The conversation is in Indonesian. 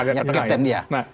agak ke tengah ya